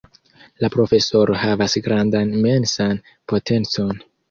La Profesoro havas grandan mensan potencon.